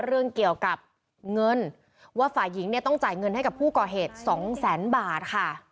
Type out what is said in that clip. เรื่องเกี่ยวกับเงินว่าฝ่ายหญิงเนี่ยต้องจ่ายเงินให้กับผู้ก่อเหตุสองแสนบาทค่ะ